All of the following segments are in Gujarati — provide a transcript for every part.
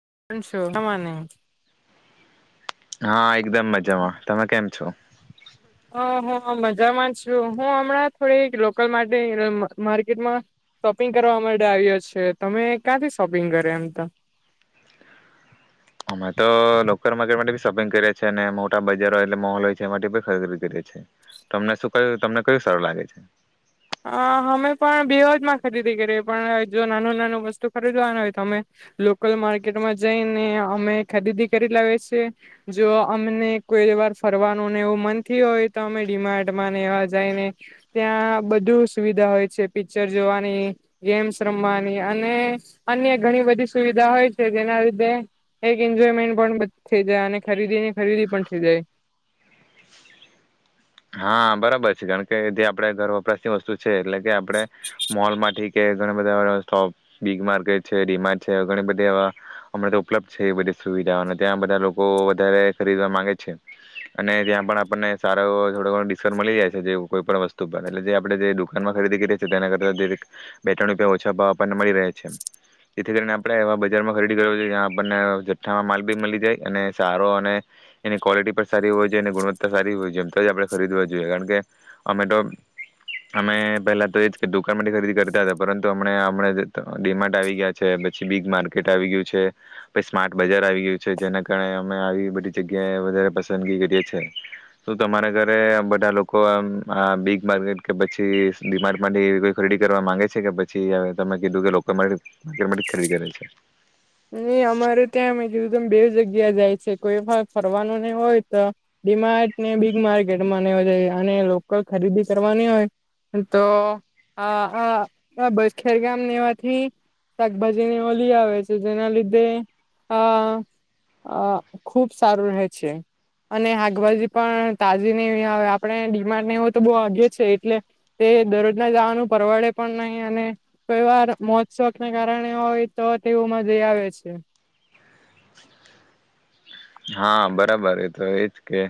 [unintelligible] હા. એકદમ મજામાં તમે કેમ છો. હ હ મજામાં છું હું હમણાં થોડીક લોકલ માટે માર્કેટમાં શોપિંગ કરવા માટે આવ્યો છે. તમે ક્યાંથી શોપિંગ કરે એમ તો. અમે તો લોકલ માર્કેટ માટે શોપિંગ કરીએ છીએ અને મોટા બજારો એટલે મોલ હોય છે એ માટે બી ખરીદી કરીએ છી તમને શું કેય તમને કયું સારું લાગે છે. હ અમે પણ બેવજમાં ખરીદી કરીએ પણ જો નાનું નાનું વસ્તુ ખરીદવાનું હોય તો અમે લોકલ માર્કેટમાં જઈને અમે ખરીદી કરી લાવએ છીએ. જો અમને કોઈ વાર ફરવાનુંને એવું મનથી હોય તો અમે ડીમાર્ડમાં ને એવા જાયને ત્યાં બધુ બધુ સુવિધા હોય છે પિક્ચર જોવાની ગેમ્સ રમવાની અને અન્ય ઘણી બધી સુવિધા હોય છે જેના લીધે એક એન્જોયમેન્ટ પણ થ થઈ જાય અને ખરીદીની ખરીદી પણ થઈ જાય. હા બરાબર છે કારણ કે જે આપડા ઘર વપરાશની વસ્તુ છે એટલે કે આપણે મોલમાંથી કે ઘણા બધા સોપ બીગ માર્કેટ છે. ડિમાટ્ છે ઘણી બધી એવા અ તો ઉપલબ્ધ છે એ બધી સુવિધાઓને ત્યાં બધા લોકો વધારે ખરીદવા માંગે છે અને ત્યાં પણ આપણને સારો એવો થોડો ઘણો ડિસ્કાઉન્ટ મળી જાય છે. જે કોઈ પણ વસ્તુ પર એટલે જે આપણે જે દુકાનમાં ખરીદી કરીએ છીએ તેના કરતા દરે બે ત્રણ રૂપિયા ઓછા ભાવ આપણને મળી રહે છે. જેથી કરીને આપણે એવા બજારમાં ખરીદી કરવુ જોઈએ જ્યાં આપણને જઠ્ઠામાં માલ બી મળી જાય અને સારો અને એની ક્વોલિટી પણ સારી હોવી જોઈએ અને ગુણવત્તા સારી હોવી જોઈએ તો જ આપણે ખરીદવા જોઈએ કારણ કે અમે તો અમે પહેલા તો એ જ કે દુકાનમાંથી ખરીદી કરતા હતા પરંતુ અમ હમણા હમણા ડીમાર્ટ આવી ગયા છે. પછી બિગ માર્કેટ આવી ગયું છે. પછી સ્માર્ટ બજાર આવી ગયું છે. જેના કારણે અમે આવી બધી જગ્યાએ વધારે પસંદગી કરીએ છીએ તો તમારા ઘર ને બધા લોકોમ આ બીગ માર્કેટ કે પછી ડિમાર્ટ એવી કોઈ ખરીદી કરવા માંગે છે કે પછી તમે કીધું કે લોકો માર્કેટ થી ખરીદી કરે છે. નિ અમારે ત્યાં અમે જોયું ત બે જગ્યા જાય છે કોઈ ફરવાનું નહી હોય તો ડીમાર્ટને બિગ માર્કેટમાં ન જાય અને લોકલ ખરીદી કરવાની હોય તો આ આ બસ ખેરગામ નેવાથી શાકભાજીને ઓલી આવે છે. જેના લીધે અ અ ખુબ સારું રહે છે. અને હાકભાજી પણ તાજી ને એવી આવે આપણે ડિમાન્ડને એવુ હોય તો બહ આગે છે એટલે તે દરરોજના જવાનું પરવડે પણ નહીં અને કોઈ વાર મોજ સોકને કારણે હોય તો તેઓમાં જે આવે છે. હા બરાબર એ તો એજ કે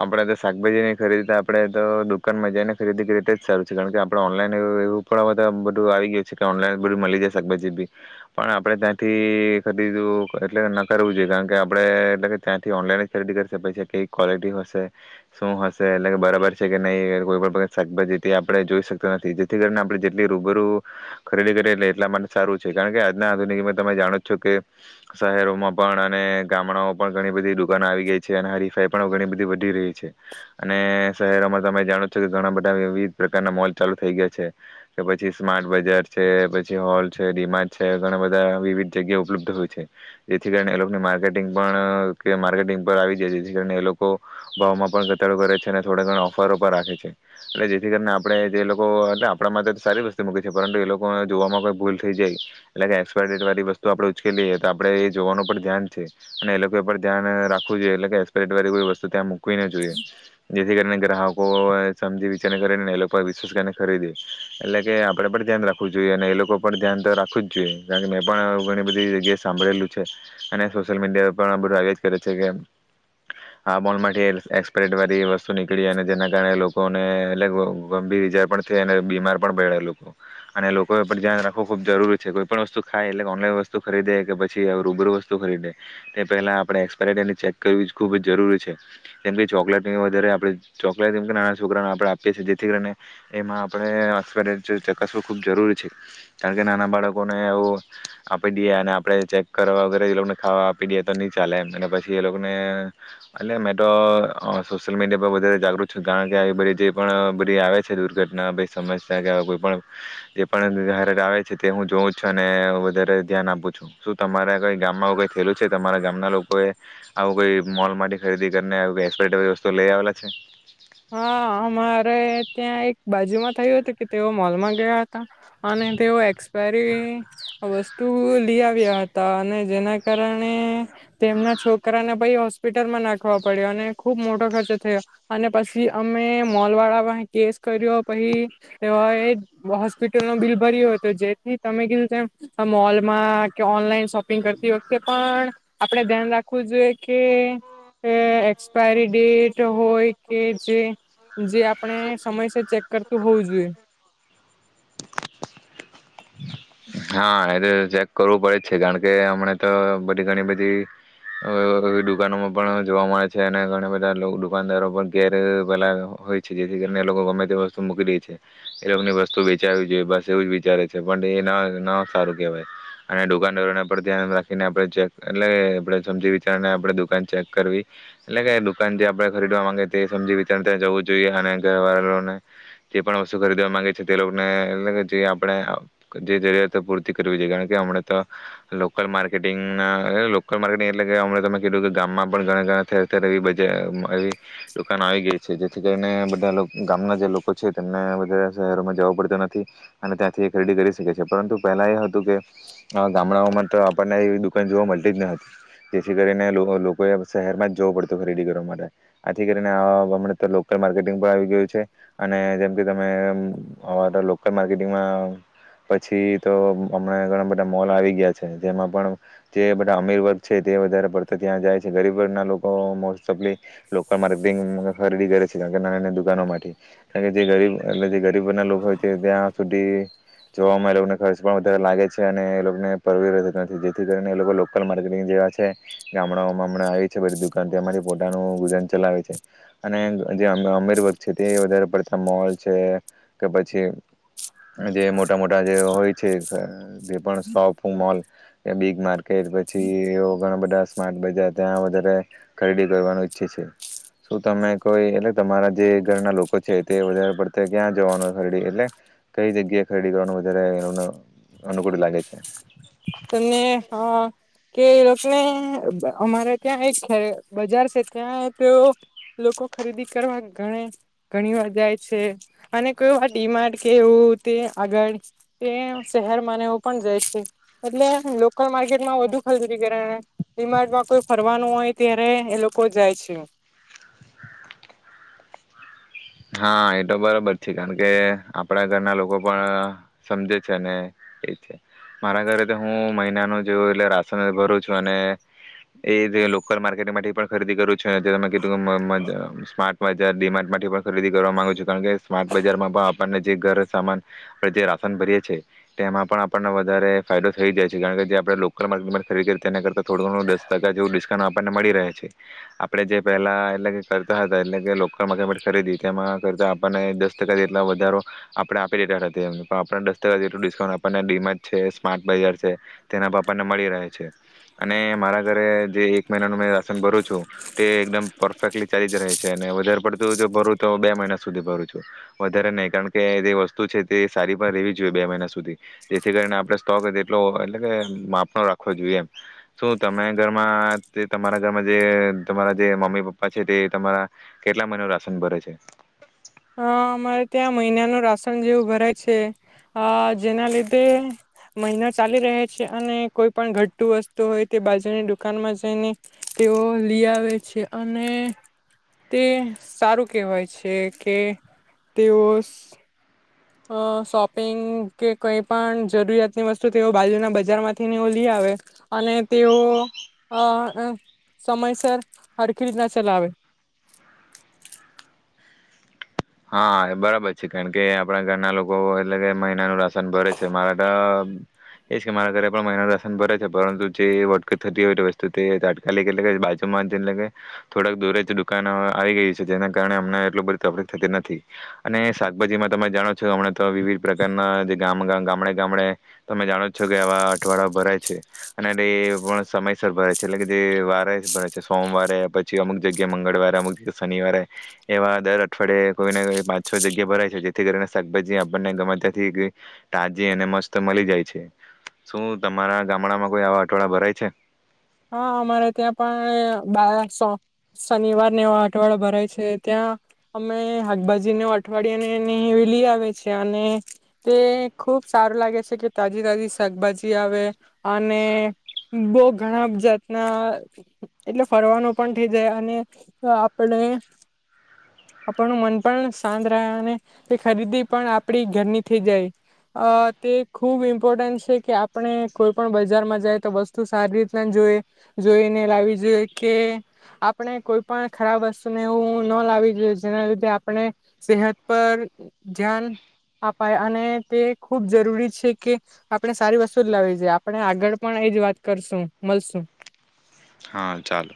આપણેે તો શાકભાજી નહી ખરીદી તો આપડે તો દુકાનમાં જઈને ખરીદી કરીએ તેજ સારું છે. કારણ કે આપડે ઓનલાઈ નેવુ એવું પણ બધું આવી ગયું છે કે ઓનલાઈન બધું મળી જાય શાકભાજી બી પણ આપડે ત્યાંથી ખરીદું એટલે ન કરવું જોઈએ કારણકે આપણે એટલે કે ત્યાંથી ઓનલાઈન ખરીદી કરીશે પછી કઈ ક્વોલિટી હશે શું હશે એટલે કે બરાબર છે કે નહીં કોઈ પણ શાકભાજીથી આપણે જોઈ શકતા નથી. જેથી કરીને આપણે જેટલી રૂબરૂ ખરીદી કરીએ એટલે એટલા માટે સારું છે કારણ કે આજના આધુનિકમાં તમે જાણો જ છો કે શહેરોમાં પણ અને ગામડા પણ ઘણી બધી દુકાનો આવી ગઈ છે અને હરીફાઈ પણ ઘણી બધી વધી રહી છે અને શહેરોમાં તમે જાણો છો કે ઘણા બધા વિવિધ પ્રકારના મોલ ચાલુ થઈ ગયા છે કે પછી સ્માર્ટ બજાર છે પછી હોલ છે ડિમાર્ટ છે ઘણા બધા વિવિધ જગ્યા ઉપલબ્ધ હોય છે જેથી કરીને એ લોકો માર્કેટ કે માર્કેટિંગ પર આવી જાય જેથી કરી એ લોકો ભાવમાં પણ ઘટાડો કરે છે અને થોડા ઘણો ઓફરો પર રાખે છે એટલે જેથી કરીને આપણેે જે લોકો એલે આપણા માટે સારી વસ્તુ મૂકે છે પરંતુ એ લોકો જોવામાં કોઈ ભૂલ થઈ જાય એટલે કે એક્સપાયરી ડેટ વાળી વસ્તુ આપણે ઉચકે લીઈએ તો આપણે એ જોવાનું પણ ધ્યાન અને એ લોકો ઉપર ધ્યાન રાખવું જોઈએ. એટલે કે એકસપાઈરી ડેટ વારી કોઈ વસ્તુ ત્યાં મુ હોવી ના જોઈએ જેથી કરીને ગ્રાહક લોકો સમજી વિચારને કરે એ લોકો વિશ્વાસ કરીને ખરીદે. એટલે કે આપડે પણ ધ્યાન રાખવું જોઈએ અને એ લોકો પર ધ્યાન તો રાખવું જ જોઈએ કારણ કે મેં પણ ઘણી બધી જગ્યાએ સાંભળેલું છે અને સોશિયલ મીડિયા પણ આ બધા એ જ કરે છે કે આ બોલમાંથી એક્સપરેડ વાળી વસ્તુ નીકળી અને જેના કારણે લોકોને એટ ગંભીર ઈજા પણ થઈ અને બીમાર પણ પડેલો લોકો અને લોકો પર ધ્યાન રાખવું ખૂબ જરૂરી છે કોઈ પણ વસ્તુ ખાય એટલે ઓનલાઈન વસ્તુ ખરીદે કે પછી રૂબરૂ વસ્તુ ખરીદે તે પહેલા આપડે એક્સપાયરી ડેટની ચેક કરવી ખુબ જ જરૂરી છે કેમકે ચોકલેટની વધારે આપણે ચોકલેટ મકે નાના છોકરાને આપડે આપીએ છીએ જેથી કરીને એમાં આ એક્સપાયરી ડેટ ચકાસવું ખુબ જરૂરી છે. કારણ કે નાના બાળકોને આવું આપી દઈએ અને આપડે ચેક કરવા વગર ખાવા આપી દઈએ તો નહી ચાલે એમ અને પછી એ લોકોને અને મેં તો સોશિયલ મીડિયા પર વધારે જાગૃત છું. કારણ કે આવી બધી જે પણ બધી આવે છે દુર્ઘટના સમસ્યા કે કોઈ પણ જે પણહે આવે છે તે હું જોઉં જ છું અને વધારે ધ્યાન આપું છું શું તમારા કઈ ગામમાં કઈ થેલું છે તમારા ગામના લોકો એ આવું કોઈ મોલ ખરીદી કરીને એક એકસપાઇરી ડેટ વારી વસ્તુ લઈ આવેલા છે હા અમારે ત્યાં એક બાજુમાં થયું હતું કે તેઓ મોલમાં ગયા હતા અને તેઓ એક્સપાયરી વસ્તુ લઈ આવ્યા હતા અને જેના કારણે તેમના છોકરાને પછી હોસ્પિટલમાં નાખવા પડ્યો અને ખુબ મોટો ખર્ચો થયો અને પછી અમે મોલવાળા પાસે કેસ કર્યો પછી એમણે જ હોસ્પિટલનું બિલ ભરયુ હતું જેથી તમે કીધું તેમ મોલમાં કે ઓનલાઈન શોપિંગ કરતી વખતે એ પણ આપણે ધ્યાન રાખવું જોઈએ કે એક્સપાયરી ડેટ હોય કે જે જે આપણે સમયસર ચેક કરતું હોવુ જોઈએ. હા, એ તો ચેક કરવું પડે જ છે. કારણ કે હમણા તો બધી ઘણી બધી દુકાનોમાં પણ જોવા મળે અને ઘણા બધા લોકો દુકાનદારો પણ ઘેર પેલા હોય છે જેથી કરીને એ લોકો ગમે તે વસ્તુ મૂકી દે છે એ લોકોની વસ્તુ વેચાવવી જોઈએ બસ એવું જ વિચારે છે પણ એ ના ના સારું કહેવાય અને દુકાનદારોને પર ધ્યાન રાખીને આપણે ચેક એટલે આપણે સમજી વિચારીને આપણે દુકાન ચેક કરવી. એટલે કે દુકાન જે આપણે ખરીદવા માંગે તે સમજી વિચાર ત્યાં જવું જોઈએ અને ઘર વાળને જે પણ વસ્તુ ખરીદવા માંગે છે તે લોકોને એટલે જે આપણે જે જરૂરિયાત પૂરતી કરવી જોઈએ કારણ કે હમણા તો લોકલ માર્કેટિંગ ના લોકલ માર્કેટિંગ એટલે કે મેં કીધું કે ગામમાં પણ ઘણા ઠેર ઠેર એવી બજાર એવી દુકાનો આવી ગઈ છે જેથી કરીને બધા ગામના જે લોકો છે તેમને બધા શહેરોમાં જવુ પડતુ નથી અને ત્યાંથી ખરીદી કરી શકે છે, પરંતુ પહેલા એ હતું કે ગામડાઓમાં તો આપણને એવી દુકાન જોવા મળતી જ ન હતી જેથી કરીને લોકોએ શહેરમાંજ જવું પડતું ખરીદી કરવા માટે, આથી કરીને હમણે તો લોકલ માર્કેટિંગ પણ આવી ગયું છે અને જેમ કે તમે લોકલ માર્કેટિંગમાં પછી તો હમણાં ઘણા બધા મોલ આવી ગયા છે જેમાં પણ જે બધા અમીર વર્ગ છે. તે વધારે પડતો ત્યાં જાય છે ગરીબ ધરના લોકો almost okay local marketing ખરીદી કરે છે નાની નાની દુકાનોમાંથી જે ગરીબ એટલે જે ગરીબ વર્ગના લોકો હોય છે ત્યાં સુધી જોવામાં એ લોકોને ખર્ચ પણ વધારે લાગે છે અને એ લોકોને પરવીતો નથી જેથી કરીને એ લોકો લોકલ માર્કેટિંગ જેવા છે ગામડાઓમાં આવી છે. તેમાંથી પોતાનું ગુજરાન ચલાવે છે અને જે અમીર વર્ગ છે તે વધારે પડતા મોલ છે કે પછી જે મોટા મોટા જે હોય છે જે પણ શોપ મોલ બીગ માર્કેટ પછી ઘણા બધા સ્માર્ટ બજાર ત્યાં વધારે ખરીદી કરવાનું ઈચ્છે છે, શું તમે કોઈ એટલે તમારા જે ઘરના લોકો છે તે વધારે પડતા ક્યાં જવાનું ખરીદી એટલે કઈ જગ્યાએ ખરીદી કરવાનું વધારે અનુકૂળ લાગે છે. તમને અ કે એ લોકોને અમારે ત્યાં એક છે બજાર છે ત્યાં તે લોકો ખરીદી કરવા ગ ઘણી વાર જાય છે અને કોડીમાર્ટ કે એવું તે આગળ એ શહેરમાંનેવું પણ જાય છે એટલે લોકલ માર્કેટમાં વધુ ખરીરી કરિમાર્ડમાં કોઈ ફરવાનું હોય ત્યારે એ લોકો જાય છે. હા એ તો બરોબર છે, કારણ કે આપડા ઘરના લોકો પણ સમજે છે, ને એ છે, મારા ઘરે તો હું મહિનાનું જેવું એટલે રાશન ભરું છું અને એ જે લોકલ માર્કેટમાંથી પણ ખરીદી કરું છું છ સ્મા્ટ જાર માટ માટી ખરીદી કરવા માગુ છું કારણ કે સ્માર્ટ બજારમાં પણ આપણને જે ઘર સામાન જે રાશન ભરીએ છીએ તેમાં પણ આપણને વધારે ફાયદો થઈ જાય છે, કારણ કે જે આપણે લોકલ માર્કેટમાં ખરીદી કરી તેના કરતાં થોડું ઘણું દસ ટકા જેવું ડિસ્કાઉન્ટ આપણને મળી રહ્યા છે, આપણે જે પહેલા એટલે કે કરતા હતા એટલે કે લોકલ માર્કેટ માટે ખરીદી તેમાં કરતા આપણને દસ ટકા જેટલો વધારો આપણે આપી દેધા હતા એમ પણ આપણને દસ ટકા જેટલું ડિસ્કાઉન્ટ આપણને ડીમાચ છે, સ્માર્ટ બજાર છે તેના પાપાને મળી રહે છે, અને મારા ઘરે જે એક મહિનાનું મેં રાશન ભરું છું તે એકદમ પરફેક્ટલી ચાલી જ રહે છે, અને વધારે પડતું જો ભર તો બે મહિના સુધી ભરું છું વધારે નહીં કારણ કે જે વસ્તુ છે, તે સારી પણ રહેવી જોઈએ બે મહિના સુધી જેથી કરીને આપણે સ્ટોક તેટલો એટલે કે માપનો રાખવો જોઈએ એમ શું તમે ઘરમાં તમારા ઘરમાં જે તમારા જે મમ્મી પપ્પા છે, તે તમારા કેટલા મહિનો રાશન ભરે છે. અ અમારે ત્યાં મહિનાનું રાશન જેવું ભરાય છે, જેના લીધે મહિના ચાલી રહે છે, અને કોઈ પણ ઘટું વસ્તુ હોય તે બાજુની દુકાનમાં જઈને તેઓ લઈ આવે છે, અને તે સારું કહેવાય છે. એ તેઓસ અ શોપિંગ કે કઈ પણ જરૂરિયાતની વસ્તુ તેઓ બાજુના બજાર માંથી લઈ આવે અને તેઓ સમયસર હળખી રીતના ચલાવે હા બરાબર છે, કારણ કે આપણા ઘરના લોકો એટલે કે મહિનાનું રાશન ભરે છે, મારા તો એજ કે મારા ઘરે પણ મહિનાનું રાશન ભરે છે, પરંતુ જે વટકટ થતી હોય વસ્તુ તે તાટકાલિક એટલે કે બાજુમાં એટલે કે થોડાક દૂરે જ દુકાાન આવી ગય છે, જેના કારણે હમને એટલું બધી તકલીફ થતી નથી અને શાકભાજીમાં તમે જાણો છો હમણાં તો વિવિધ પ્રકારના જે ગામ ગામડે ગામડે તમે જાણો છો કે આવા અઠવાડ ભરાય છે, અને એટ એ પણ સમયસર ભરાય છે, એટલે કે જે વારે ભરાય છે, સોમવારે પછી અમુક જગ્યાએ મંગળવારે અમુક જગ્યા શનિવારે એવા દર અઠવાડે કોઈ ને પાંચ છ જગ્યા ભરાય છે, જેથી કરીને શાકભાજી આપણને ગમેત્યાંથી તાજી અને મસ્ત મળી જાય છે, શું તમારા ગામડામાં કોઈ આવા અઠવાડિયા ભરાય છે. હા અમારે ત્યાં પણ બો શનિવારને એવો અઠવાડ ભરાય છે, ત્યાં અમે શાકભાજી ન અઠવાડયિયાનેેલી આવે છે, અને તે ખુબ સારું લાગે છે, કે તાજી તાજી શાકભાજી આવે અને બહુ ઘણા જાતના એટલે ફરવાનું પણ થઈ જાય અને આપણે આપનું મન પણ શાંત રહે અને તે ખરીદી પણ આપણી ઘરની થઈ જાય અ તે ખૂબ મહત્વપૂર્ણ છે, કે આપણે કોઈ પણ બજારમાં જાય તો વસ્તુ સારી રીતના જોઈએ જોઈને લાવી જોઈએ કે આપણે કોઈ પણ ખરાબ વસ્તુને એવું ન લાવવી જોઈએ જેના લીધે આપણે સેહત પર ધ્યાન અાય અને તે ખુબ જરૂરી છે, કે આપણે સારી વસ્તુ જ લાવી જોઈએ આપણે આગળ પણ એ જ વાત કરશું મળશું હા ચાલો